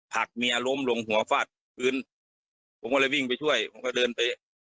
หักเมียล้มลงหัวฟาดพื้นผมก็เลยวิ่งไปช่วยผมก็เดินเป๊ะ